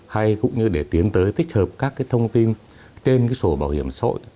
hay cũng như để tiến tới tích hợp các thông tin trên sổ bảo hiểm xã hội